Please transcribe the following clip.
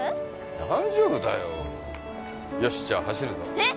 大丈夫だよよしじゃあ走るぞえっ？